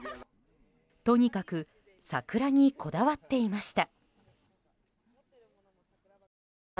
とにかく桜にこだわっていました。